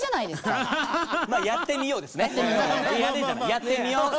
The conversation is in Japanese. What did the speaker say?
やってみよう！